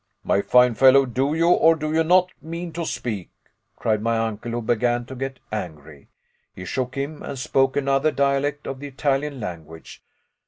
"My fine fellow, do you or do you not mean to speak?" cried my uncle, who began to get angry. He shook him, and spoke another dialect of the Italian language.